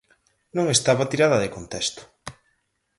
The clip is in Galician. Non estaba tirada de contexto.